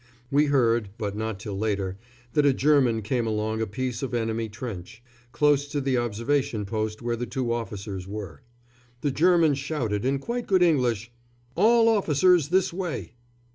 We heard, but not till later, that a German came along a piece of enemy trench, close to the observation post where the two officers were. The German shouted, in quite good English, "All officers this way!"